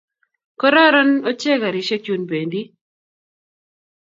gororon ochei karishek Chun bendi